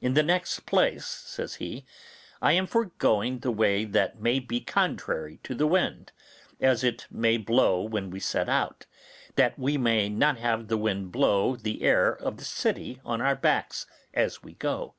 In the next place,' says he, 'I am for going the way that may be contrary to the wind, as it may blow when we set out, that we may not have the wind blow the air of the city on our backs as we go.